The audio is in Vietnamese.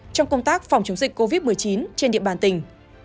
trong công tác phòng chống dịch covid một mươi chín trên địa bàn tỉnh